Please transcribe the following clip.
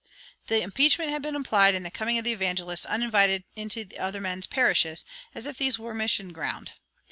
The impeachment had been implied in the coming of the evangelists uninvited into other men's parishes, as if these were mission ground.